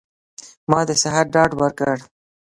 ما د صحت ډاډ ورکړ.